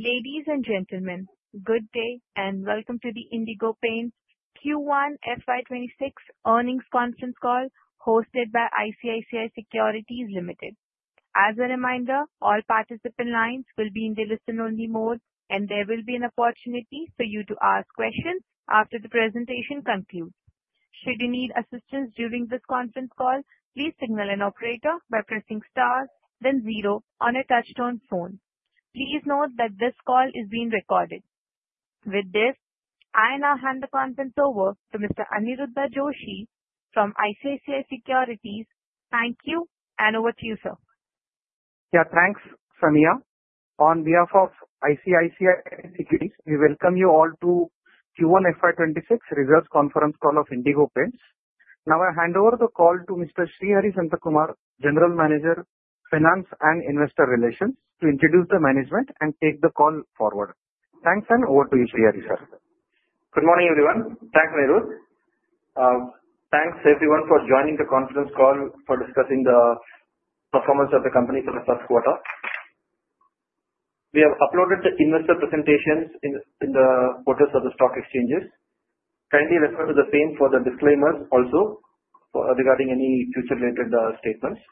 Ladies and gentlemen, good day and welcome to the Indigo Paints Q1 FY26 Earnings Conference Call hosted by ICICI Securities Limited. As a reminder, all participant lines will be in the listen-only mode, and there will be an opportunity for you to ask questions after the presentation concludes. Should you need assistance during this conference call, please signal an operator by pressing stars, then zero on a touch-tone phone. Please note that this call is being recorded. With this, I now hand the conference over to Mr. Aniruddha Joshi from ICICI Securities. Thank you, and over to you, sir. Yeah, thanks, Samia. On behalf of ICICI Securities, we welcome you all to Q1 FY26 results conference call of Indigo Paints. Now, I hand over the call to Mr. Srihari Santhakumar, General Manager, Finance and Investor Relations, to introduce the management and take the call forward. Thanks, and over to you, Srihari, sir. Good morning, everyone. Thanks, Aniruddha. Thanks, everyone, for joining the conference call for discussing the performance of the company for the Q1. We have uploaded the investor presentations in the portals of the stock exchanges. Kindly refer to the same for the disclaimers also regarding any future-related statements.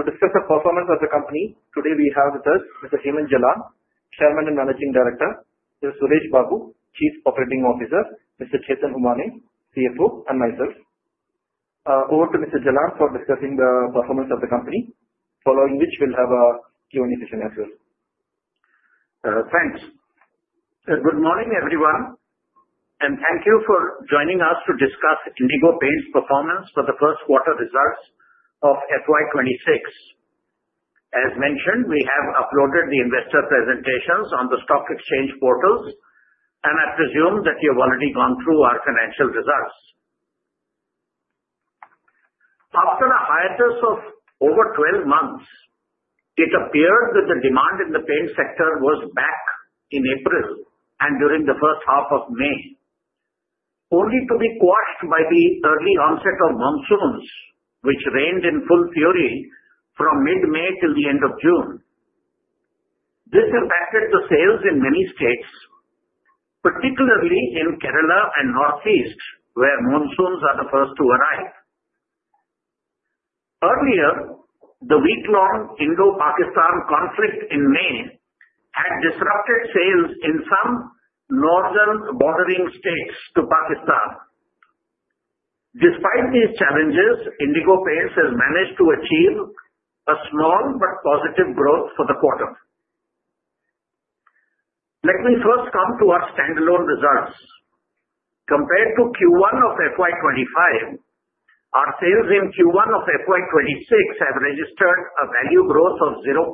To discuss the performance of the company, today we have with us Mr. Hemant Jalan, Chairman and Managing Director, Mr. Suresh Babu, Chief Operating Officer, Mr. Chetan Humane, CFO, and myself. Over to Mr. Jalan for discussing the performance of the company, following which we'll have a Q&A session as well. Thanks. Good morning, everyone, and thank you for joining us to discuss Indigo Paints' performance for the Q1 results of FY26. As mentioned, we have uploaded the investor presentations on the stock exchange portals, and I presume that you have already gone through our financial results. After the hiatus of over 12 months, it appeared that the demand in the paint sector was back in April and during the first half of May, only to be quashed by the early onset of monsoons, which rained in full fury from mid-May till the end of June. This impacted the sales in many states, particularly in Kerala and Northeast, where monsoons are the first to arrive. Earlier, the week-long Indo-Pakistan conflict in May had disrupted sales in some northern bordering states to Pakistan. Despite these challenges, Indigo Paints has managed to achieve a small but positive growth for the quarter. Let me first come to our standalone results. Compared to Q1 of FY25, our sales in Q1 of FY26 have registered a value growth of 0.3%.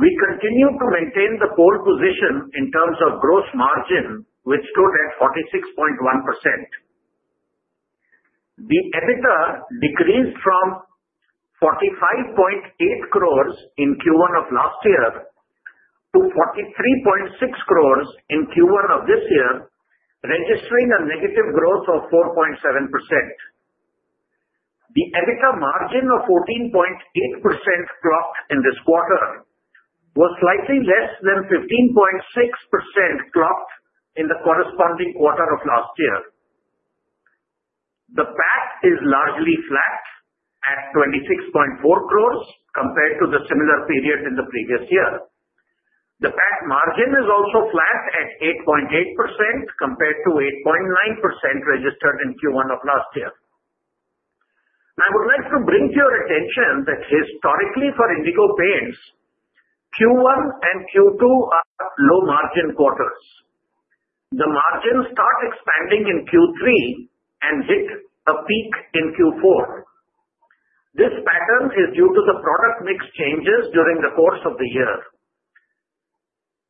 We continue to maintain the pole position in terms of gross margin, which stood at 46.1%. The EBITDA decreased from 45.8 crores in Q1 of last year to 43.6 crores in Q1 of this year, registering a negative growth of 4.7%. The EBITDA margin of 14.8% clocked in this quarter was slightly less than 15.6% clocked in the corresponding quarter of last year. The PAT is largely flat at 26.4 crores compared to the similar period in the previous year. The PAT margin is also flat at 8.8% compared to 8.9% registered in Q1 of last year. I would like to bring to your attention that historically, for Indigo Paints, Q1 and Q2 are low-margin quarters. The margins start expanding in Q3 and hit a peak in Q4. This pattern is due to the product mix changes during the course of the year.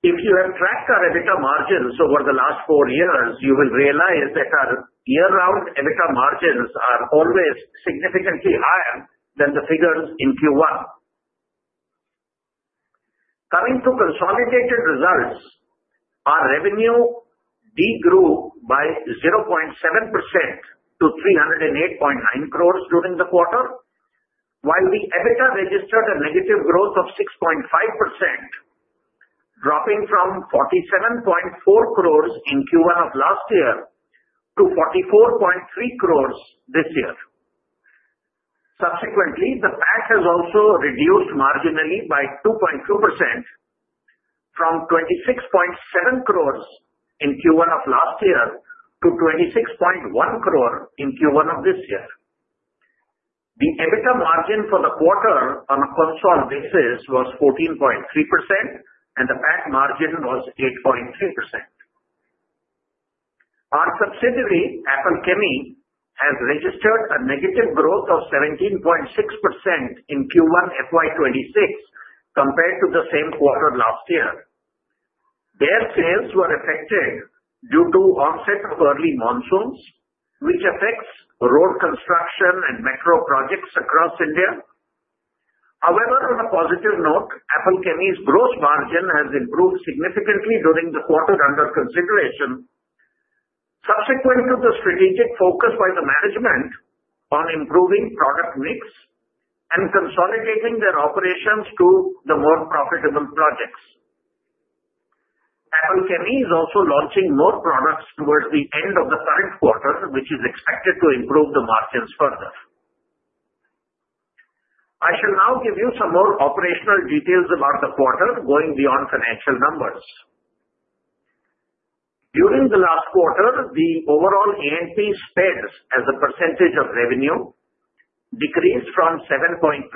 If you have tracked our EBITDA margins over the last four years, you will realize that our year-round EBITDA margins are always significantly higher than the figures in Q1. Coming to consolidated results, our revenue degrew by 0.7% to 308.9 crores during the quarter, while the EBITDA registered a negative growth of 6.5%, dropping from 47.4 crores in Q1 of last year to 44.3 crores this year. Subsequently, the PAT has also reduced marginally by 2.2% from 26.7 crores in Q1 of last year to 26.1 crores in Q1 of this year. The EBITDA margin for the quarter on a consolidated basis was 14.3%, and the PAT margin was 8.3%. Our subsidiary, Apple Chemie, has registered a negative growth of 17.6% in Q1 FY26 compared to the same quarter last year. Their sales were affected due to the onset of early monsoons, which affects road construction and metro projects across India. However, on a positive note, Apple Chemie's gross margin has improved significantly during the quarter under consideration, subsequent to the strategic focus by the management on improving product mix and consolidating their operations to the more profitable projects. Apple Chemie is also launching more products towards the end of the current quarter, which is expected to improve the margins further. I shall now give you some more operational details about the quarter going beyond financial numbers. During the last quarter, the overall A&P spend as a percentage of revenue decreased from 7.2%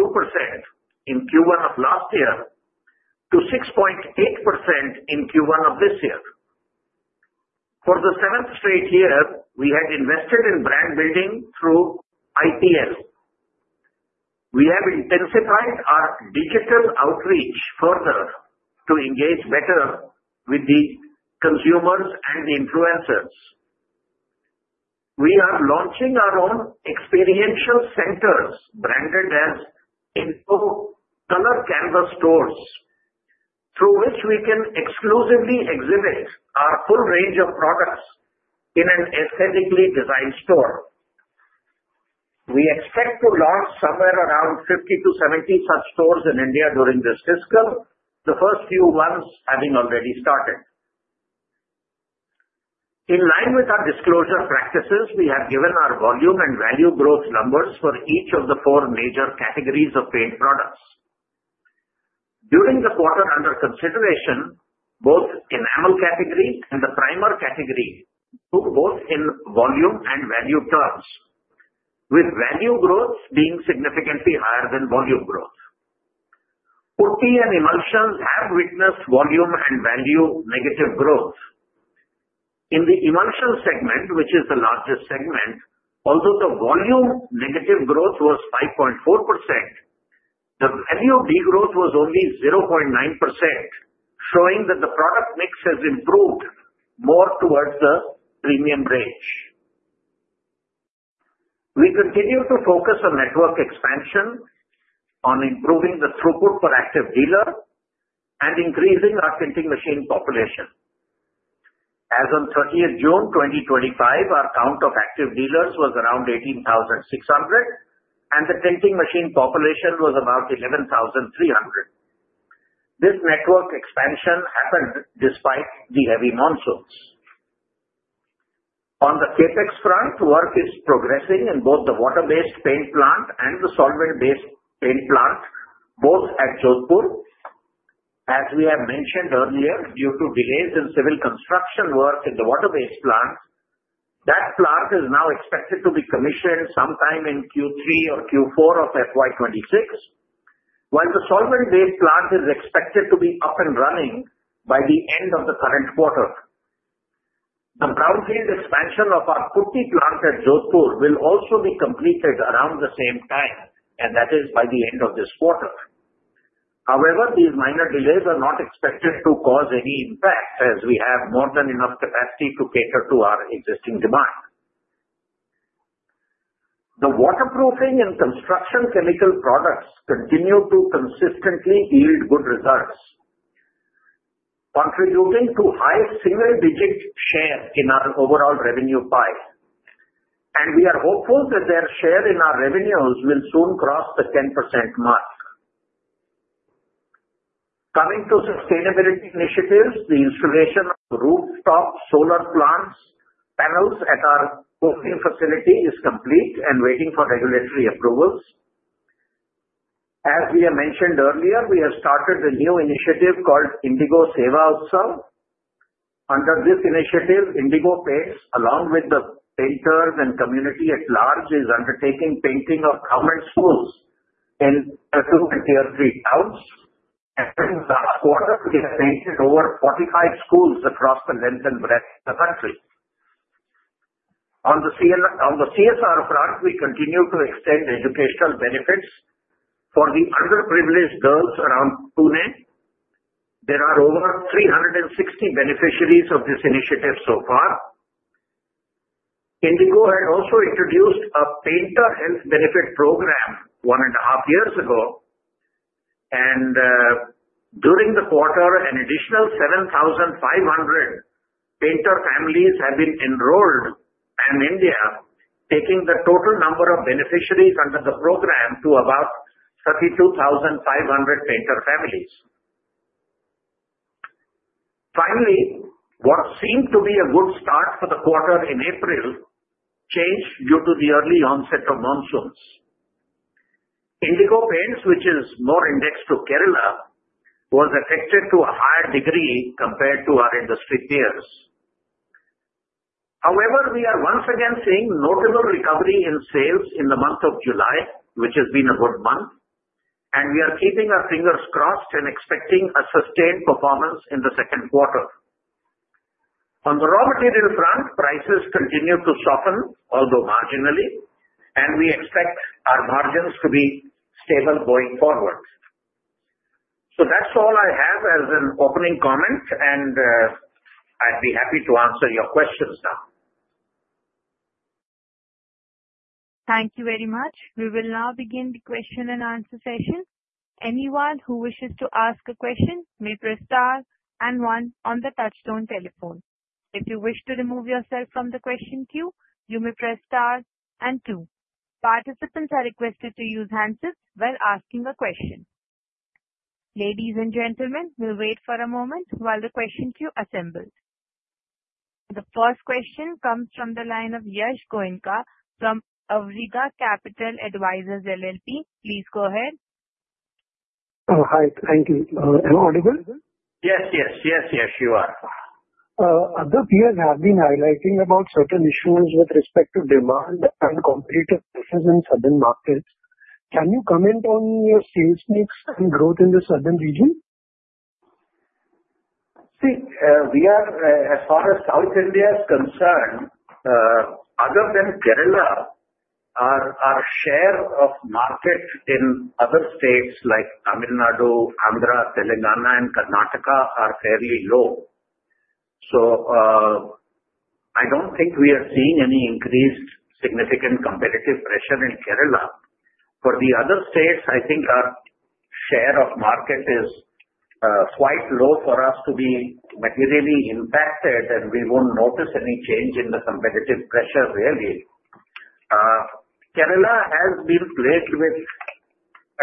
in Q1 of last year to 6.8% in Q1 of this year. For the seventh straight year, we had invested in brand building through IPL. We have intensified our digital outreach further to engage better with the consumers and the influencers. We are launching our own experiential center branded as Indigo Colour Canvas stores, through which we can exclusively exhibit our full range of products in an aesthetically designed store. We expect to launch somewhere around 50 to 70 such stores in India during this fiscal, the first few ones having already started. In line with our disclosure practices, we have given our volume and value growth numbers for each of the four major categories of paint products. During the quarter under consideration, both enamel category and the primer category took both in volume and value terms, with value growth being significantly higher than volume growth. Putty and emulsions have witnessed volume and value negative growth. In the emulsion segment, which is the largest segment, although the volume negative growth was 5.4%, the value degrowth was only 0.9%, showing that the product mix has improved more towards the premium range. We continue to focus on network expansion, on improving the throughput for active dealer, and increasing our printing machine population. As of 30 June 2025, our count of active dealers was around 18,600, and the printing machine population was about 11,300. This network expansion happened despite the heavy monsoons. On the Capex front, work is progressing in both the water-based paint plant and the solvent-based paint plant, both at Jodhpur. As we have mentioned earlier, due to delays in civil construction work in the water-based plant, that plant is now expected to be commissioned sometime in Q3 or Q4 of FY26, while the solvent-based plant is expected to be up and running by the end of the current quarter. The brownfield expansion of our putty plant at Jodhpur will also be completed around the same time, and that is by the end of this quarter. However, these minor delays are not expected to cause any impact as we have more than enough capacity to cater to our existing demand. The waterproofing and construction chemical products continue to consistently yield good results, contributing to a high single-digit share in our overall revenue pie, and we are hopeful that their share in our revenues will soon cross the 10% mark. Coming to sustainability initiatives, the installation of rooftop solar plant panels at our coastal facility is complete and waiting for regulatory approvals. As we have mentioned earlier, we have started a new initiative called Indigo Seva Utsav. Under this initiative, Indigo Paints, along with the painters and community at large, is undertaking painting of government schools in Tier 2 and Tier 3 towns. And in the last quarter, we have painted over 45 schools across the length and breadth of the country. On the CSR front, we continue to extend educational benefits for the underprivileged girls around Pune. There are over 360 beneficiaries of this initiative so far. Indigo had also introduced a painter health benefit program one-and-a-half years ago, and during the quarter, an additional 7,500 painter families have been enrolled in India, taking the total number of beneficiaries under the program to about 32,500 painter families. Finally, what seemed to be a good start for the quarter in April changed due to the early onset of monsoons. Indigo Paints, which is more indexed to Kerala, was affected to a higher degree compared to our industry peers. However, we are once again seeing notable recovery in sales in the month of July, which has been a good month, and we are keeping our fingers crossed and expecting a sustained performance in the Q2. On the raw material front, prices continue to soften, although marginally, and we expect our margins to be stable going forward. So that's all I have as an opening comment, and I'd be happy to answer your questions now. Thank you very much. We will now begin the question and answer session. Anyone who wishes to ask a question may press star and one on the touch-tone telephone. If you wish to remove yourself from the question queue, you may press star and two. Participants are requested to use the handset while asking a question. Ladies and gentlemen, we'll wait for a moment while the question queue assembles. The first question comes from the line of Yash Goenka from Awriga Capital Advisors LLP. Please go ahead. Hi, thank you. Am I audible? Yes, yes, yes, yes, you are. Other peers have been highlighting about certain issues with respect to demand and competitive pressures in southern markets. Can you comment on your sales mix and growth in the southern region? As far as South India is concerned, other than Kerala, our share of market in other states like Tamil Nadu, Andhra, Telangana, and Karnataka are fairly low. So I don't think we are seeing any increased significant competitive pressure in Kerala. For the other states, I think our share of market is quite low for us to be materially impacted, and we won't notice any change in the competitive pressure, really. Kerala has been plagued with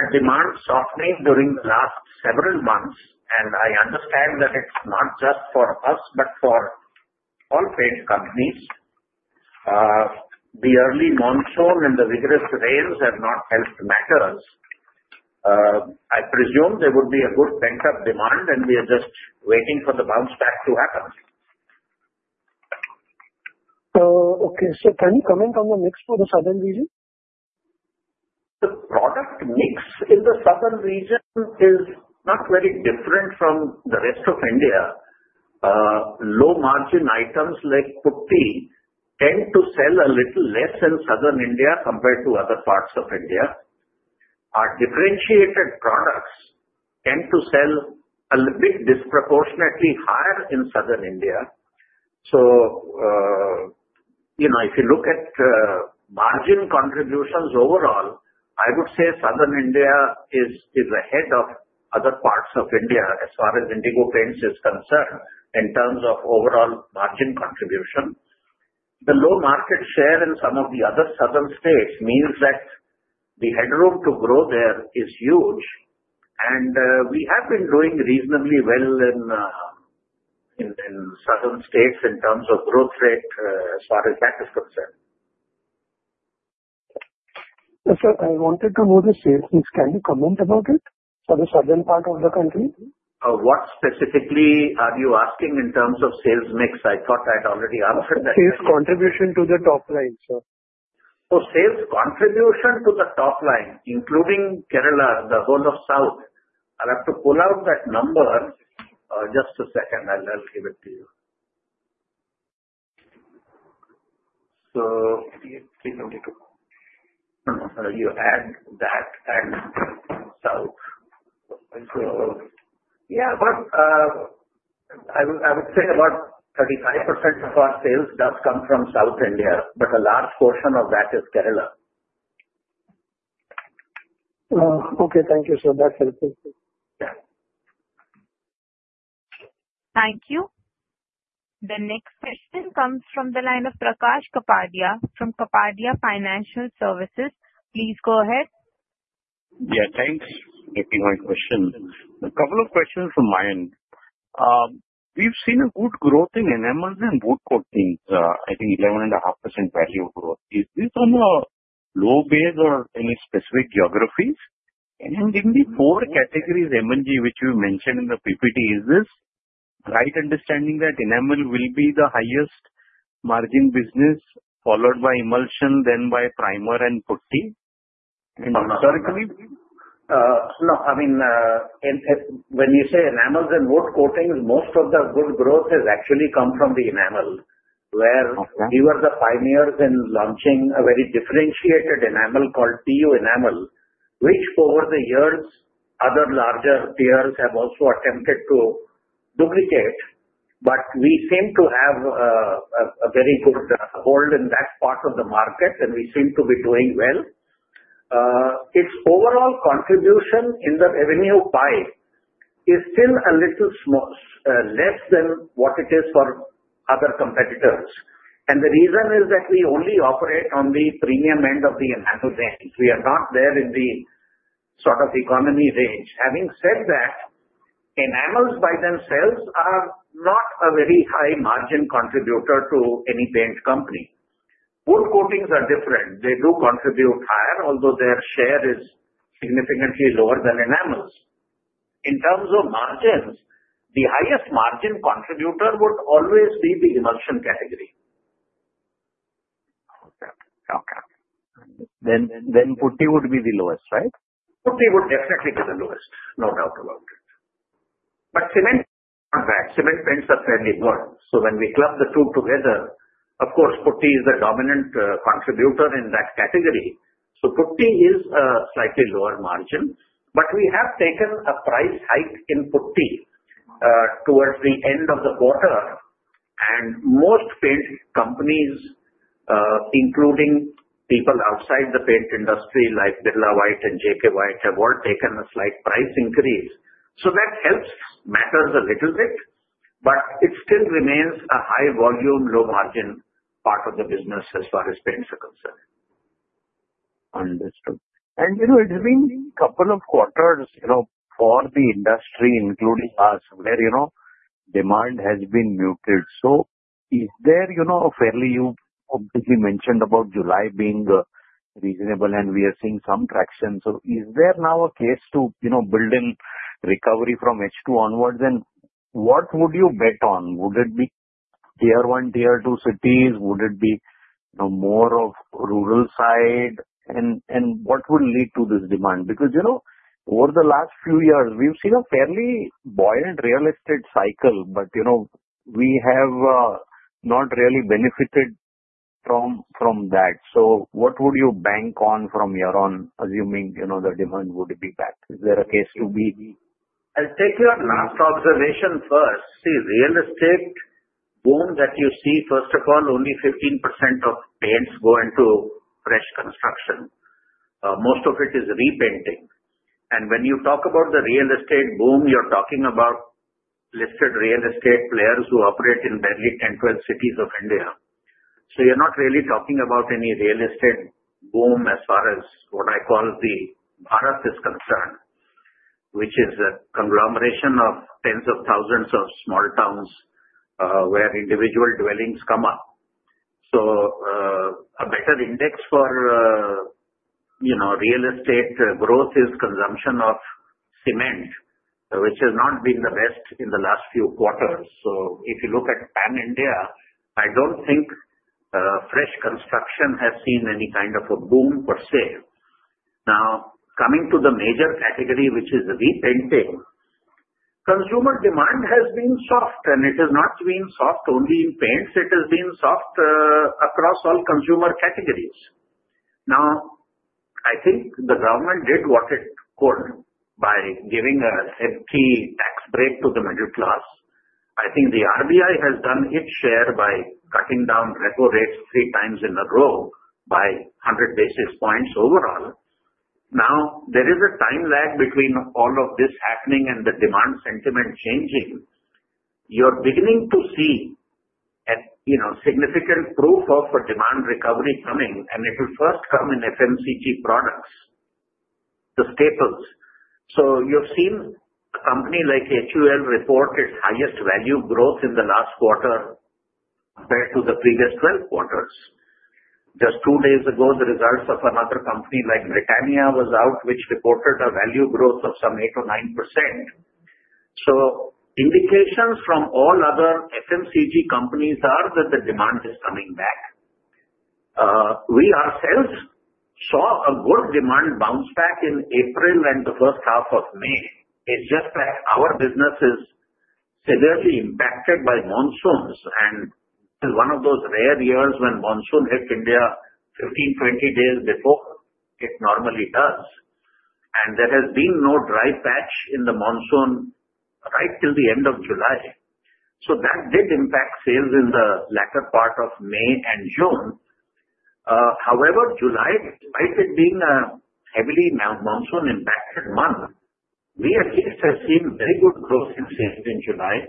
a demand softening during the last several months, and I understand that it's not just for us but for all paint companies. The early monsoon and the vigorous rains have not helped matters. I presume there would be a good pent-up demand, and we are just waiting for the bounce back to happen. Okay. So can you comment on the mix for the southern region? The product mix in the southern region is not very different from the rest of India. Low-margin items like putty tend to sell a little less in southern India compared to other parts of India. Our differentiated products tend to sell a bit disproportionately higher in southern India. So if you look at margin contributions overall, I would say southern India is ahead of other parts of India as far as Indigo Paints is concerned in terms of overall margin contribution. The low market share in some of the other southern states means that the headroom to grow there is huge, and we have been doing reasonably well in southern states in terms of growth rate as far as that is concerned. So I wanted to know the sales mix. Can you comment about it for the southern part of the country? What specifically are you asking in terms of sales mix? I thought I had already answered that. Sales contribution to the top line, sir. Oh, sales contribution to the top line, including Kerala, the whole of South. I'll have to pull out that number. Just a second, I'll give it to you. So you add that and South. So yeah, but I would say about 35% of our sales does come from South India, but a large portion of that is Kerala. Okay. Thank you, sir. That's helpful. Yeah. Thank you. The next question comes from the line of Prakash Kapadia from Kapadia Financial Services. Please go ahead. Yeah, thanks. Taking my question. A couple of questions from my end. We've seen a good growth in enamels and wood coatings, I think 11.5% value growth. Is this on a low base or any specific geographies? And in the four categories M&G, which you mentioned in the PPT, is this right understanding that enamel will be the highest margin business followed by emulsion, then by primer and putty, historically? No, I mean, when you say enamels and wood coatings, most of the good growth has actually come from the enamel, where we were the pioneers in launching a very differentiated enamel called PU Enamel, which over the years, other larger peers have also attempted to duplicate. But we seem to have a very good hold in that part of the market, and we seem to be doing well. Its overall contribution in the revenue pie is still a little less than what it is for other competitors. And the reason is that we only operate on the premium end of the enamel range. We are not there in the sort of economy range. Having said that, enamels by themselves are not a very high margin contributor to any paint company. Wood coatings are different. They do contribute higher, although their share is significantly lower than enamels. In terms of margins, the highest margin contributor would always be the emulsion category. Okay. Then putty would be the lowest, right? Putty would definitely be the lowest, no doubt about it. But cement paints are fairly good. So when we club the two together, of course, putty is the dominant contributor in that category. So putty is a slightly lower margin. But we have taken a price hike in putty towards the end of the quarter, and most paint companies, including people outside the paint industry like Birla White and JK White have all taken a slight price increase. So that helps matters a little bit, but it still remains a high volume, low margin part of the business as far as paints are concerned. Understood. And it's been a couple of quarters for the industry, including us, where demand has been muted. So is there a, you mentioned about July being reasonable, and we are seeing some traction, so is there now a case to build in recovery from H2 onwards? And what would you bet on? Would it be tier 1, tier 2 cities? Would it be more of rural side? And what will lead to this demand? Because over the last few years, we've seen a fairly buoyant real estate cycle, but we have not really benefited from that. So what would you bank on from here on, assuming the demand would be back? Is there a case to be? I'll take your last observation first. See, real estate boom that you see, first of all, only 15% of paints go into fresh construction. Most of it is repainting, and when you talk about the real estate boom, you're talking about listed real estate players who operate in barely 10, 12 cities of India, so you're not really talking about any real estate boom as far as what I call the Bharat is concerned, which is a conglomeration of tens of thousands of small towns where individual dwellings come up, so a better index for real estate growth is consumption of cement, which has not been the best in the last few quarters, so if you look at pan-India, I don't think fresh construction has seen any kind of a boom per se. Now, coming to the major category, which is repainting, consumer demand has been soft, and it has not been soft only in paints. It has been soft across all consumer categories. Now, I think the government did what it could by giving a healthy tax break to the middle class. I think the RBI has done its share by cutting down repo rates three times in a row by 100 basis points overall. Now, there is a time lag between all of this happening and the demand sentiment changing. You're beginning to see significant proof of demand recovery coming, and it will first come in FMCG products, the staples. So you've seen a company like HUL report its highest value growth in the last quarter compared to the previous 12 quarters. Just two days ago, the results of another company like Britannia was out, which reported a value growth of some 8% or 9%. So indications from all other FMCG companies are that the demand is coming back. We ourselves saw a good demand bounce back in April and the first half of May. It's just that our business is severely impacted by monsoons, and this is one of those rare years when monsoon hits India 15, 20 days before it normally does, and there has been no dry patch in the monsoon right till the end of July, so that did impact sales in the latter part of May and June. However, July, despite it being a heavily monsoon-impacted month, we at least have seen very good growth in sales in July.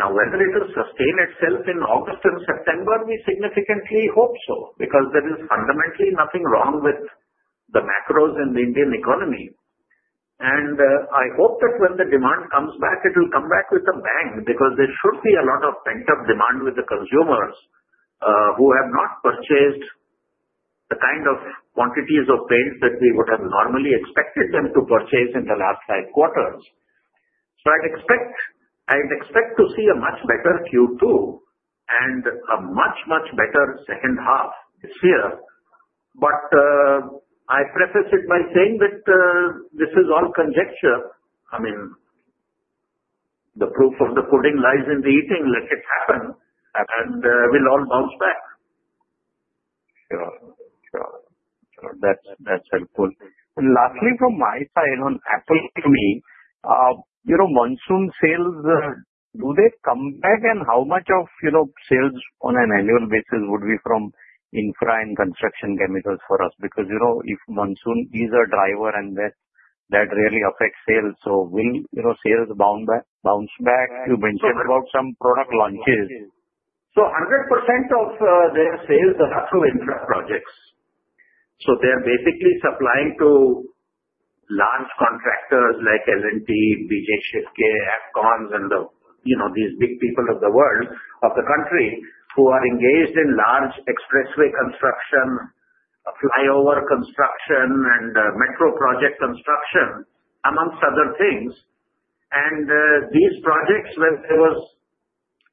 Now, whether it will sustain itself in August and September, we significantly hope so because there is fundamentally nothing wrong with the macros in the Indian economy, and I hope that when the demand comes back, it will come back with a bang because there should be a lot of pent-up demand with the consumers who have not purchased the kind of quantities of paint that we would have normally expected them to purchase in the last five quarters. So I'd expect to see a much better Q2 and a much, much better second half this year, but I preface it by saying that this is all conjecture. I mean, the proof of the pudding lies in the eating. Let it happen, and we'll all bounce back. Sure. Sure. That's helpful. Lastly, from my side on Apple Chemie, monsoon sales, do they come back? And how much of sales on an annual basis would be from infra and construction chemicals for us? Because if monsoon is a driver, and that really affects sales, so will sales bounce back? You mentioned about some product launches. So 100% of their sales are through infra projects. So they are basically supplying to large contractors like L&T, BG Shirke, Afcons, and these big people of the world, of the country, who are engaged in large expressway construction, flyover construction, and metro project construction, amongst other things. And these projects, when there is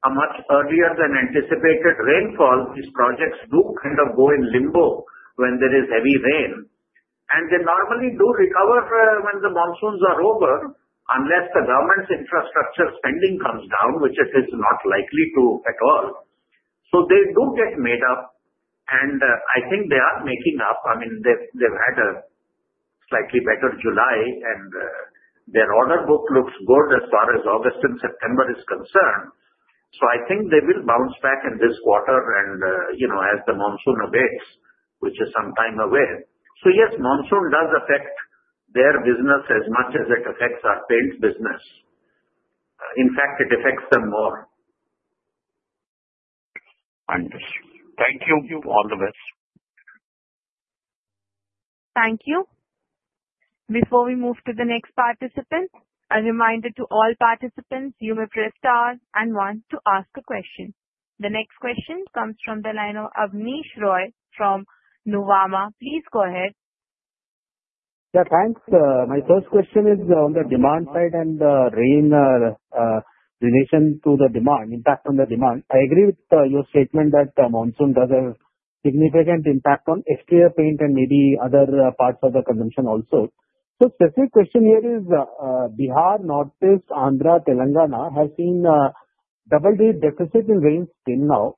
a much earlier than anticipated rainfall, these projects do kind of go in limbo when there is heavy rain. And they normally do recover when the monsoons are over, unless the government's infrastructure spending comes down, which it is not likely to at all. So they do get made up, and I think they are making up. I mean, they've had a slightly better July, and their order book looks good as far as August and September is concerned. So I think they will bounce back in this quarter as the monsoon awaits, which is some time away. So yes, monsoon does affect their business as much as it affects our paint business. In fact, it affects them more. Understood. Thank you. All the best. Thank you. Before we move to the next participant, a reminder to all participants, you may press star and one to ask a question. The next question comes from the line of Abneesh Roy from Nuvama. Please go ahead. Yeah, thanks. My first question is on the demand side and the relation to the demand, impact on the demand. I agree with your statement that monsoon does have a significant impact on exterior paint and maybe other parts of the consumption also. So the specific question here is Bihar, Northeast, Andhra, Telangana has seen a double-digit deficit in rains till now.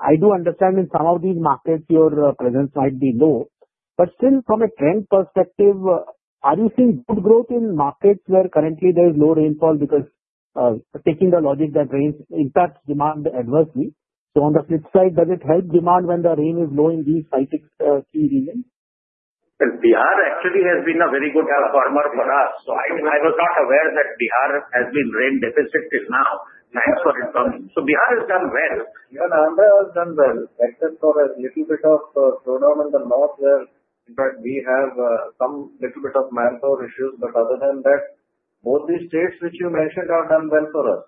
I do understand in some of these markets, your presence might be low. But still, from a trend perspective, are you seeing good growth in markets where currently there is low rainfall? Because taking the logic that rains impacts demand adversely. So on the flip side, does it help demand when the rain is low in these key regions? Bihar actually has been a very good performer for us. So I was not aware that Bihar has been rain-deficit till now. Thanks for informing. So Bihar has done well. Yeah, Andhra has done well. Except for a little bit of slowdown in the north, where in fact we have some little bit of manpower issues. But other than that, both these states which you mentioned have done well for us.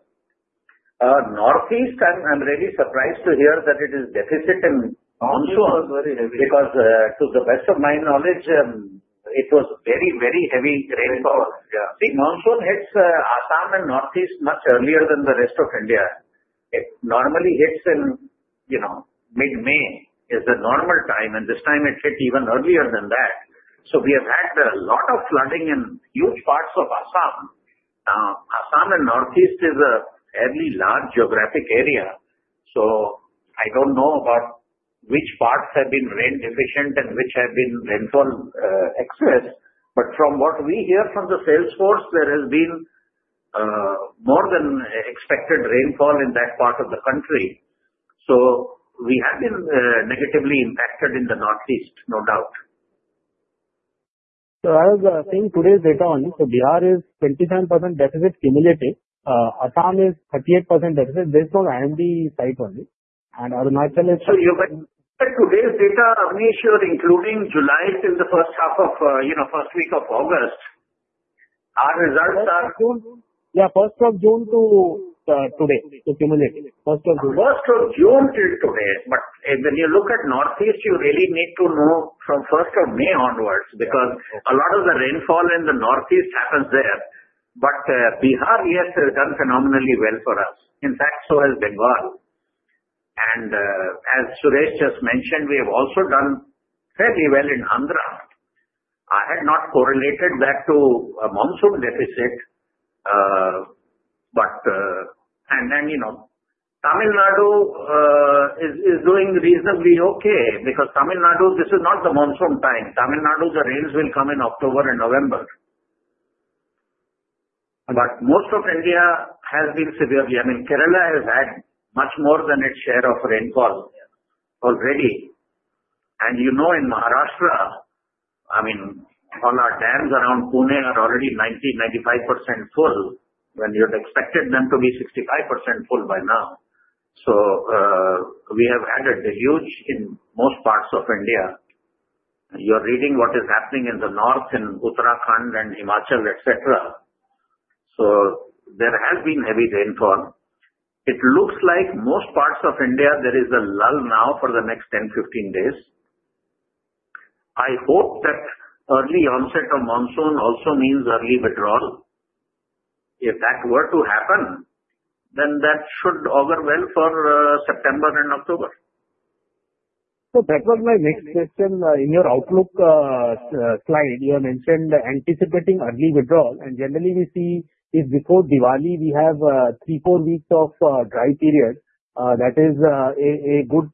Northeast, I'm really surprised to hear that it is deficit in monsoon. Monsoon was very heavy. Because, to the best of my knowledge, it was very, very heavy rainfall. See, monsoon hits Assam and Northeast much earlier than the rest of India. It normally hits in mid-May, is the normal time, and this time it hit even earlier than that. So we have had a lot of flooding in huge parts of Assam. Assam and Northeast is a fairly large geographic area. So I don't know about which parts have been rain-deficient and which have been rainfall excess. But from what we hear from the sales force, there has been more than expected rainfall in that part of the country. So we have been negatively impacted in the Northeast, no doubt. I have seen today's data only. Bihar is 27% deficit cumulative. Assam is 38% deficit. There's no end in sight only. Arunachal is... So you can look at today's data, Abneesh, including July till the first half of first week of August. Our results are... Yeah, first of June to today, so cumulative. First of June. First of June till today. But when you look at Northeast, you really need to know from first of May onwards because a lot of the rainfall in the Northeast happens there. But Bihar, yes, has done phenomenally well for us. In fact, so has Bengal. And as Suresh just mentioned, we have also done fairly well in Andhra. I had not correlated that to monsoon deficit. And then Tamil Nadu is doing reasonably okay because Tamil Nadu, this is not the monsoon time. Tamil Nadu, the rains will come in October and November. But most of India has been severely affected. I mean, Kerala has had much more than its share of rainfall already. And you know in Maharashtra, I mean, all our dams around Pune are already 90% to 95% full when you had expected them to be 65% full by now. So we have had a deluge in most parts of India. You're reading what is happening in the north in Uttarakhand and Himachal, etc. So there has been heavy rainfall. It looks like most parts of India, there is a lull now for the next 10, 15 days. I hope that early onset of monsoon also means early withdrawal. If that were to happen, then that should overwhelm for September and October. So that was my next question. In your outlook slide, you have mentioned anticipating early withdrawal. And generally, we see if before Diwali, we have three, four weeks of dry period, that is a good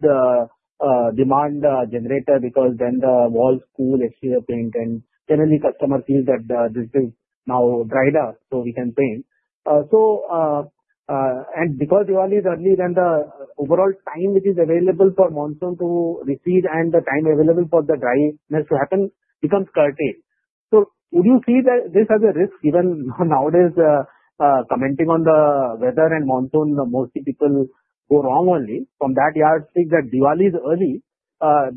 demand generator because then the walls cool exterior paint. And generally, customers feel that this is now dry enough so we can paint. And because Diwali is early, then the overall time which is available for monsoon to recede and the time available for the dryness to happen becomes curtailed. So would you see this as a risk? Even nowadays, commenting on the weather and monsoon, mostly people go wrong only. From that yardstick that Diwali is early,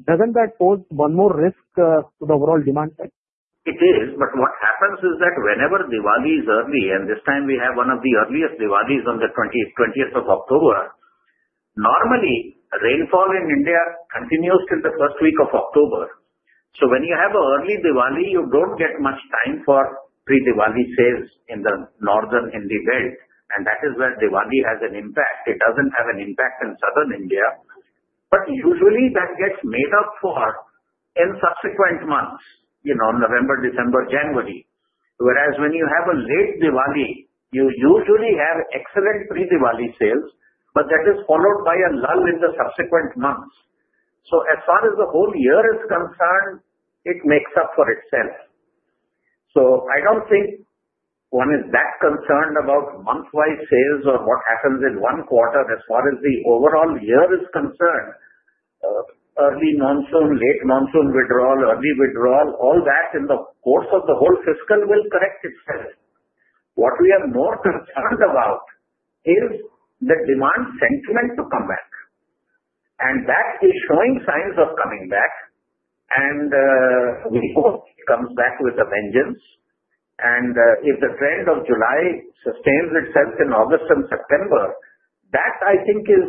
doesn't that pose one more risk to the overall demand side? It is. But what happens is that whenever Diwali is early, and this time we have one of the earliest Diwalis on the 20th of October, normally rainfall in India continues till the first week of October. So when you have an early Diwali, you don't get much time for pre-Diwali sales in the northern Indian belt. And that is where Diwali has an impact. It doesn't have an impact in southern India. But usually, that gets made up for in subsequent months, November, December, January. Whereas when you have a late Diwali, you usually have excellent pre-Diwali sales, but that is followed by a lull in the subsequent months. So as far as the whole year is concerned, it makes up for itself. So I don't think one is that concerned about monthwise sales or what happens in one quarter as far as the overall year is concerned. Early monsoon, late monsoon withdrawal, early withdrawal, all that in the course of the whole fiscal will correct itself. What we are more concerned about is the demand sentiment to come back. And that is showing signs of coming back. And we hope it comes back with a vengeance. And if the trend of July sustains itself in August and September, that I think is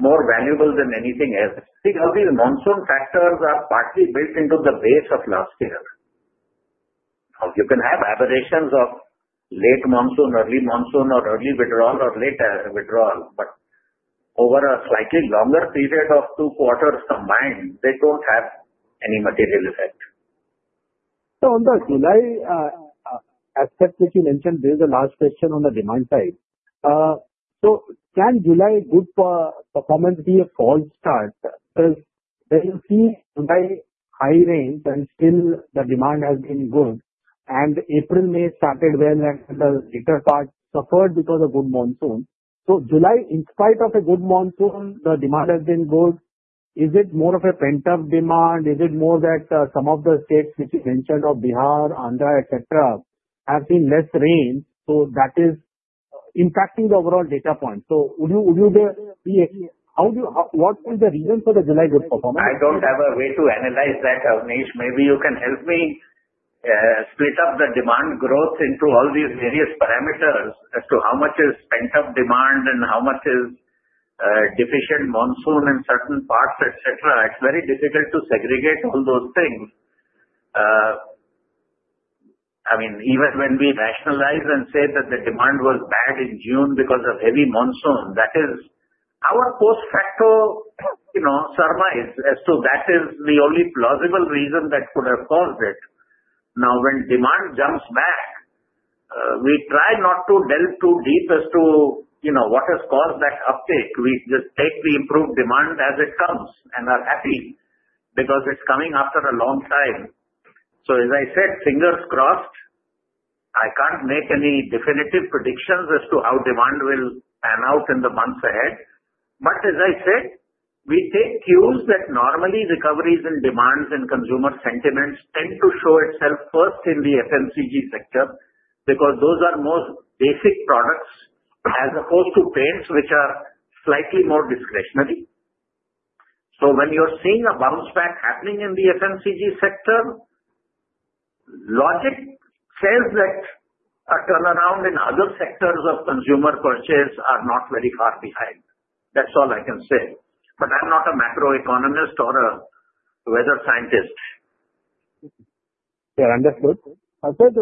more valuable than anything else. See, all these monsoon factors are partly built into the base of last year. Now, you can have aberrations of late monsoon, early monsoon, or early withdrawal or late withdrawal. But over a slightly longer period of two quarters combined, they don't have any material effect. So, on the July aspect which you mentioned, this is the last question on the demand side. So, can July good performance be a false start? Because there you see July high rains and still the demand has been good. And April, May started well and the later part suffered because of good monsoon. So, July, in spite of a good monsoon, the demand has been good. Is it more of a pent-up demand? Is it more that some of the states which you mentioned of Bihar, Andhra, etc., have seen less rain? So that is impacting the overall data point. So, would you be able to see what was the reason for the July good performance? I don't have a way to analyze that, Abneesh. Maybe you can help me split up the demand growth into all these various parameters as to how much is pent-up demand and how much is deficient monsoon in certain parts, etc. It's very difficult to segregate all those things. I mean, even when we rationalize and say that the demand was bad in June because of heavy monsoon, that is our post-facto surmise as to that is the only plausible reason that could have caused it. Now, when demand jumps back, we try not to delve too deep as to what has caused that uptake. We just take the improved demand as it comes and are happy because it's coming after a long time. So as I said, fingers crossed. I can't make any definitive predictions as to how demand will pan out in the months ahead. But as I said, we take cues that normally recoveries in demands and consumer sentiments tend to show itself first in the FMCG sector because those are most basic products as opposed to paints which are slightly more discretionary. So when you're seeing a bounce back happening in the FMCG sector, logic says that a turnaround in other sectors of consumer purchase are not very far behind. That's all I can say. But I'm not a macroeconomist or a weather scientist. Yeah, understood. I said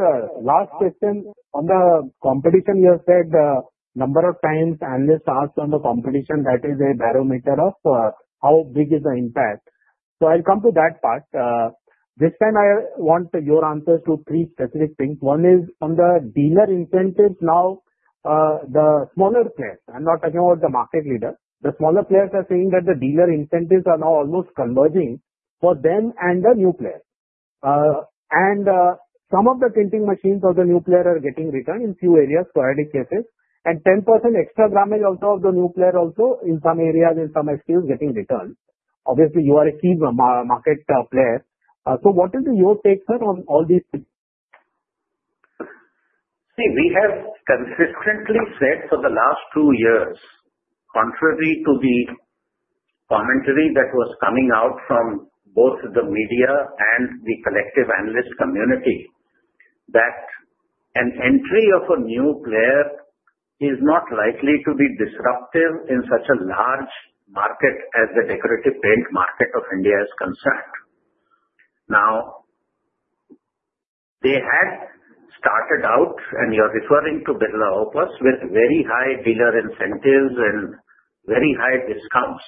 last question on the competition, you have said the number of times analysts asked on the competition, that is a barometer of how big is the impact. So I'll come to that part. This time, I want your answers to three specific things. One is on the dealer incentives now, the smaller players. I'm not talking about the market leaders. The smaller players are saying that the dealer incentives are now almost converging for them and the new players. And some of the tinting machines of the new players are getting returned in few areas, sporadic cases. And 10% extra gramage also of the new player also in some areas, in some SKUs getting returned. Obviously, you are a key market player. So what is your take, sir, on all these? See, we have consistently said for the last two years, contrary to the commentary that was coming out from both the media and the collective analyst community, that an entry of a new player is not likely to be disruptive in such a large market as the decorative paint market of India is concerned. Now, they had started out, and you're referring to Birla Opus, with very high dealer incentives and very high discounts,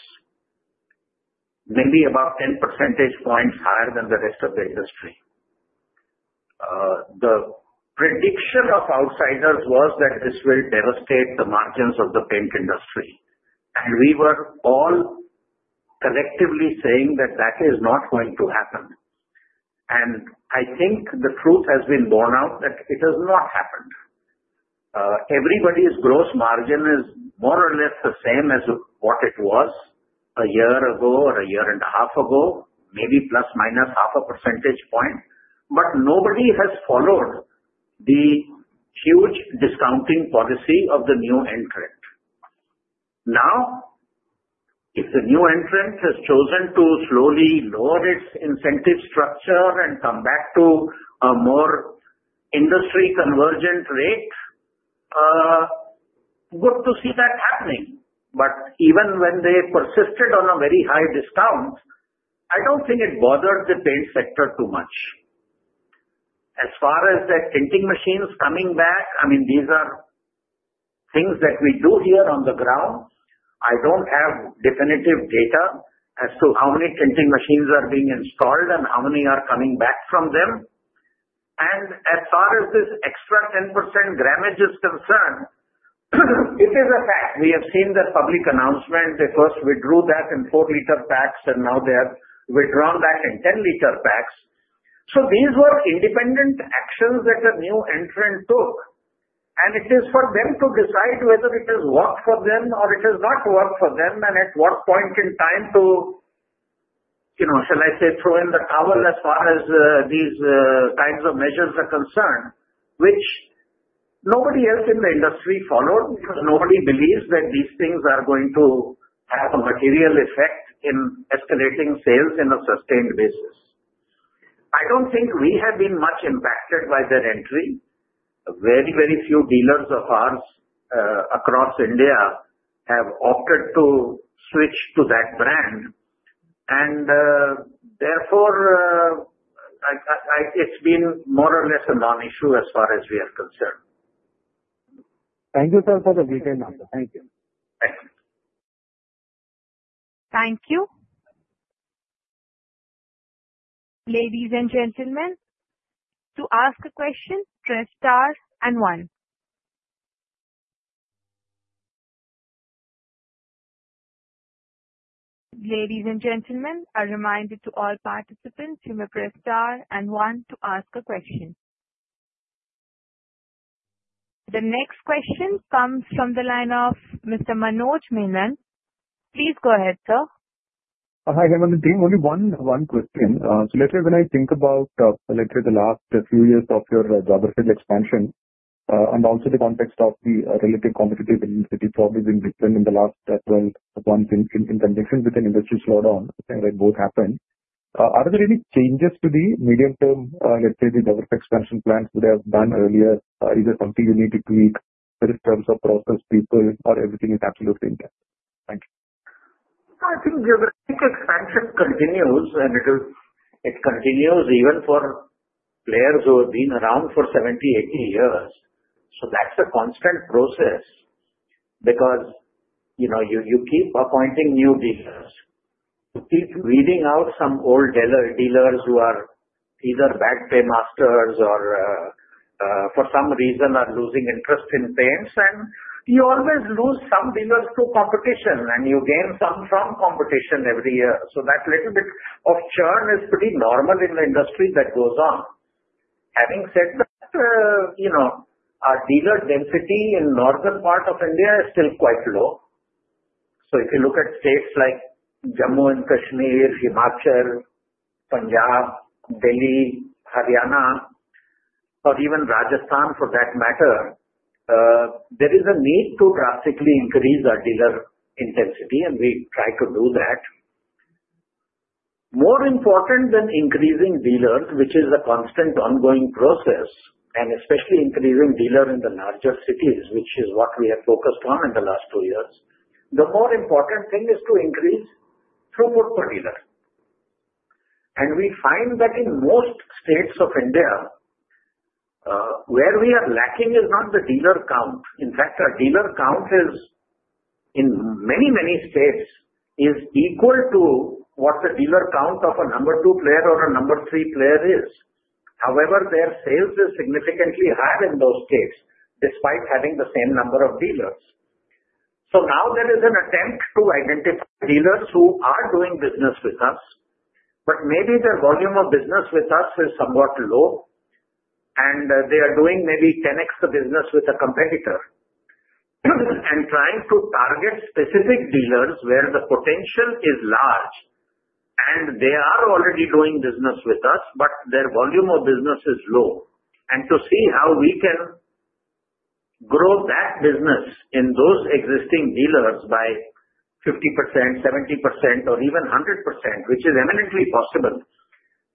maybe about 10 percentage points higher than the rest of the industry. The prediction of outsiders was that this will devastate the margins of the paint industry, and we were all collectively saying that that is not going to happen, and I think the truth has been borne out that it has not happened. Everybody's gross margin is more or less the same as what it was a year ago or a year and a half ago, maybe plus minus half a percentage point. But nobody has followed the huge discounting policy of the new entrant. Now, if the new entrant has chosen to slowly lower its incentive structure and come back to a more industry-convergent rate, good to see that happening. But even when they persisted on a very high discount, I don't think it bothered the paint sector too much. As far as the printing machines coming back, I mean, these are things that we do here on the ground. I don't have definitive data as to how many printing machines are being installed and how many are coming back from them. And as far as this extra 10% gramage is concerned, it is a fact. We have seen the public announcement. They first withdrew that in 4-liter packs, and now they have withdrawn that in 10-liter packs. So these were independent actions that the new entrant took. And it is for them to decide whether it has worked for them or it has not worked for them and at what point in time to, shall I say, throw in the towel as far as these kinds of measures are concerned, which nobody else in the industry followed because nobody believes that these things are going to have a material effect in escalating sales in a sustained basis. I don't think we have been much impacted by their entry. Very, very few dealers of ours across India have opted to switch to that brand. And therefore, it's been more or less a non-issue as far as we are concerned. Thank you, sir, for the detailed answer. Thank you. Thank you. Thank you. Ladies and gentlemen, to ask a question, press star and one. Ladies and gentlemen, a reminder to all participants to press star and one to ask a question. The next question comes from the line of Mr. Manoj Menon. Please go ahead, sir. Hi, everyone. Only one question. So let's say when I think about the last few years of your geographic expansion and also the context of the relative competitive intensity problems in the last 12 months in conjunction with an industry slowdown, I think that both happened. Are there any changes to the medium-term, let's say, the geographic expansion plans that they have done earlier? Is there something you need to tweak in terms of process, people, or everything is absolutely intact? Thank you. I think geographic expansion continues, and it continues even for players who have been around for 70, 80 years. So that's a constant process because you keep appointing new dealers. You keep weeding out some old dealers who are either bad paymasters or for some reason are losing interest in paints. And you always lose some dealers to competition, and you gain some from competition every year. So that little bit of churn is pretty normal in the industry that goes on. Having said that, our dealer density in northern part of India is still quite low. So if you look at states like Jammu and Kashmir, Himachal, Punjab, Delhi, Haryana, or even Rajasthan for that matter, there is a need to drastically increase our dealer intensity, and we try to do that. More important than increasing dealers, which is a constant ongoing process, and especially increasing dealers in the larger cities, which is what we have focused on in the last two years, the more important thing is to increase throughput per dealer. And we find that in most states of India, where we are lacking is not the dealer count. In fact, our dealer count in many, many states is equal to what the dealer count of a number two player or a number three player is. However, their sales are significantly higher in those states despite having the same number of dealers. So now there is an attempt to identify dealers who are doing business with us, but maybe their volume of business with us is somewhat low, and they are doing maybe 10x the business with a competitor. Trying to target specific dealers where the potential is large, and they are already doing business with us, but their volume of business is low. To see how we can grow that business in those existing dealers by 50%, 70%, or even 100%, which is eminently possible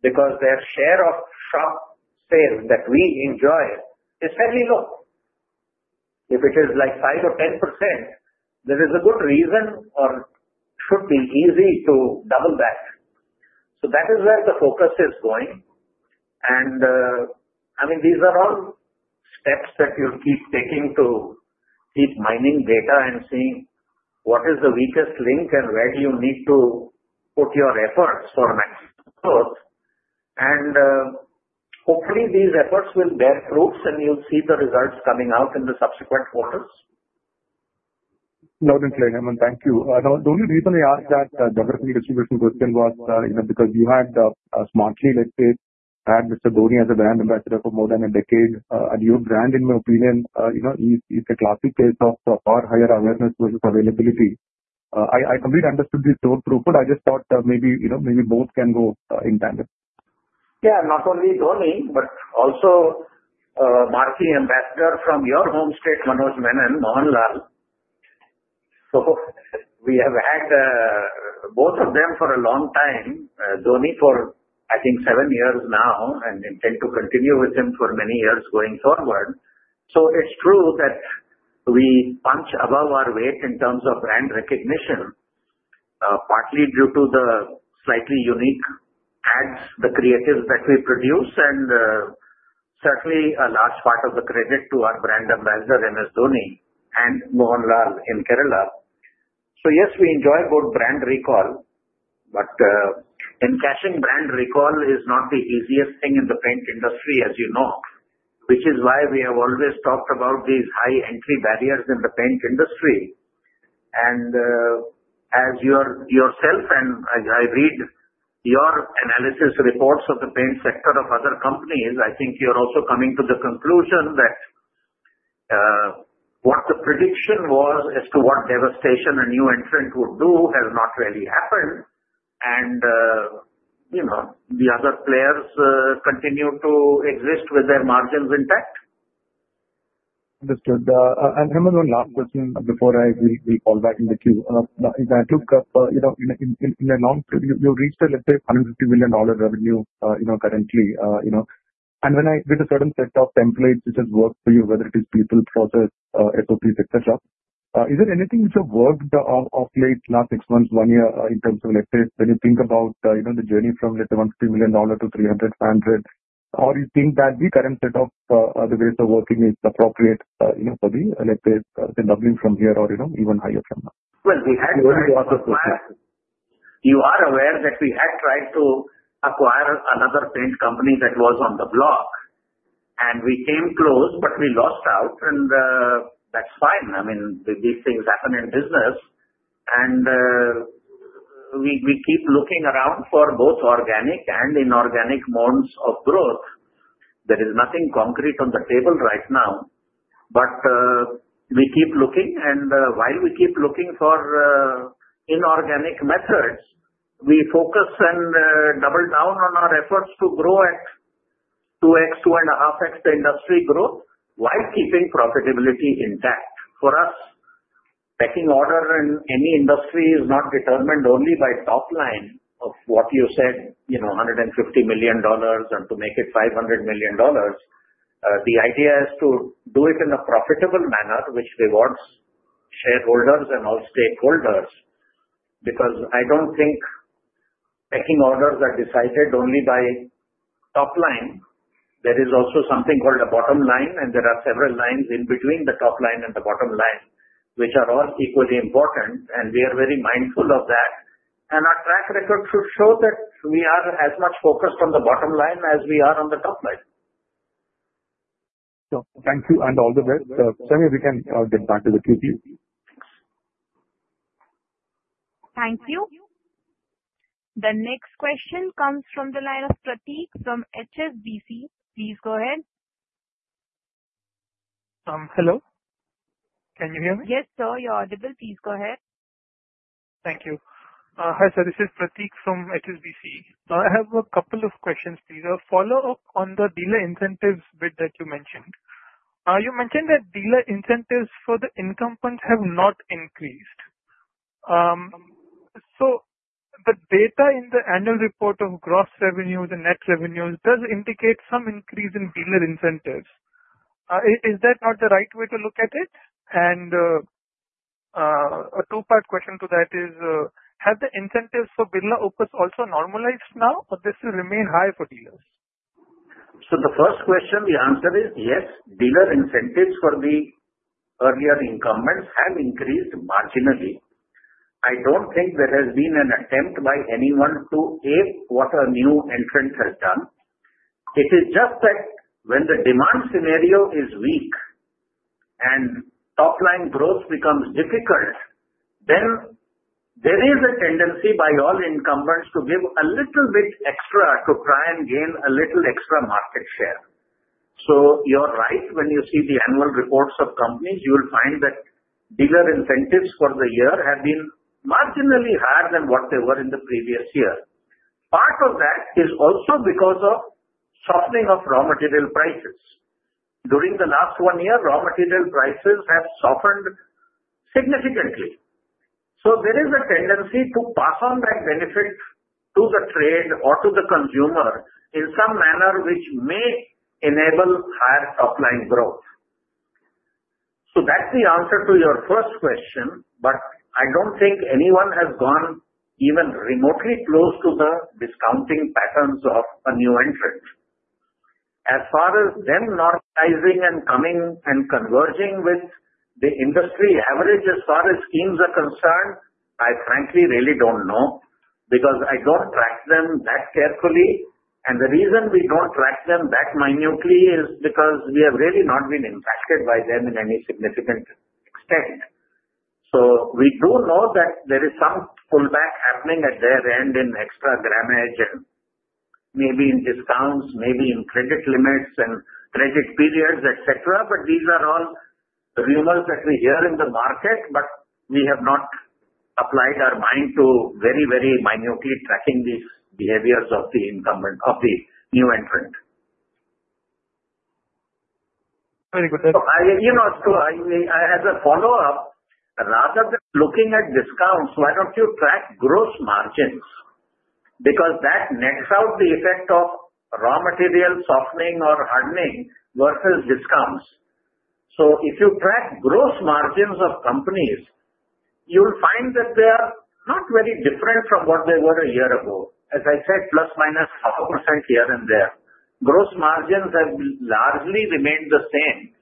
because their share of shop sales that we enjoy is fairly low. If it is like 5% or 10%, there is a good reason or should be easy to double that. That is where the focus is going. I mean, these are all steps that you'll keep taking to keep mining data and seeing what is the weakest link and where you need to put your efforts for maximum growth. Hopefully, these efforts will bear fruits, and you'll see the results coming out in the subsequent quarters. Loud and clear, Hemant. Thank you. The only reason I asked that geographic distribution question was because you had smartly, let's say, had Mr. Dhoni as a brand ambassador for more than a decade. A new brand, in my opinion, is a classic case of far higher awareness versus availability. I completely understood this thought through, but I just thought maybe both can go in tandem. Yeah, not only Dhoni, but also marketing ambassador from your home state, Manoj Menon, Mohanlal. So we have had both of them for a long time, Dhoni for, I think, seven years now, and intend to continue with him for many years going forward. So it's true that we punch above our weight in terms of brand recognition, partly due to the slightly unique ads, the creatives that we produce, and certainly a large part of the credit to our brand ambassador, MS Dhoni, and Mohanlal in Kerala. So yes, we enjoy good brand recall, but cashing in on brand recall is not the easiest thing in the paint industry, as you know, which is why we have always talked about these high entry barriers in the paint industry. And ask yourself, and I read your analysis reports of the paint sector of other companies, I think you're also coming to the conclusion that what the prediction was as to what devastation a new entrant would do has not really happened, and the other players continue to exist with their margins intact. Understood. And Hemant, one last question before I will call back in the queue. If I look up in the long term, you reached, let's say, $150 million revenue currently. And with a certain set of templates which has worked for you, whether it is people, process, SOPs, etc., is there anything which has worked of late last six months, one year in terms of, let's say, when you think about the journey from, let's say, $150 to 300 million, or you think that the current set of the ways of working is appropriate for the, let's say, doubling from here or even higher from now? We had also thought that. You are aware that we had tried to acquire another paint company that was on the block, and we came close, but we lost out. That's fine. I mean, these things happen in business. We keep looking around for both organic and inorganic modes of growth. There is nothing concrete on the table right now, but we keep looking. While we keep looking for inorganic methods, we focus and double down on our efforts to grow at 2x, 2.5x the industry growth while keeping profitability intact. For us, pecking order in any industry is not determined only by top line of what you said, $150 million, and to make it $500 million. The idea is to do it in a profitable manner, which rewards shareholders and all stakeholders because I don't think pecking orders are decided only by top line. There is also something called a bottom line, and there are several lines in between the top line and the bottom line, which are all equally important. And we are very mindful of that. And our track record should show that we are as much focused on the bottom line as we are on the top line. Thank you. And all the rest, if we can get back to the queue, please. Thank you. The next question comes from the line of Prateek from HSBC. Please go ahead. Hello. Can you hear me? Yes, sir, you're audible. Please go ahead. Thank you. Hi, sir. This is Prateek from HSBC. I have a couple of questions, please. Follow up on the dealer incentives bit that you mentioned. You mentioned that dealer incentives for Indigo Paints have not increased. So the data in the annual report of gross revenues and net revenues does indicate some increase in dealer incentives. Is that not the right way to look at it? And a two-part question to that is, have the incentives for Birla Opus also normalized now, or does it remain high for dealers? So the first question, the answer is yes. Dealer incentives for the earlier incumbents have increased marginally. I don't think there has been an attempt by anyone to aid what a new entrant has done. It is just that when the demand scenario is weak and top line growth becomes difficult, then there is a tendency by all incumbents to give a little bit extra to try and gain a little extra market share. So you're right. When you see the annual reports of companies, you will find that dealer incentives for the year have been marginally higher than what they were in the previous year. Part of that is also because of softening of raw material prices. During the last one year, raw material prices have softened significantly. So there is a tendency to pass on that benefit to the trade or to the consumer in some manner, which may enable higher top line growth. So that's the answer to your first question, but I don't think anyone has gone even remotely close to the discounting patterns of a new entrant. As far as them normalizing and coming and converging with the industry average as far as schemes are concerned, I frankly really don't know because I don't track them that carefully. And the reason we don't track them that minutely is because we have really not been impacted by them in any significant extent. So we do know that there is some pullback happening at their end in extra grammage and maybe in discounts, maybe in credit limits and credit periods, etc. But these are all rumors that we hear in the market, but we have not applied our mind to very, very minutely tracking these behaviors of the new entrant. Very good. So as a follow-up, rather than looking at discounts, why don't you track gross margins? Because that nets out the effect of raw material softening or hardening versus discounts. So if you track gross margins of companies, you'll find that they are not very different from what they were a year ago. As I said, plus minus 0.5% here and there. Gross margins have largely remained the same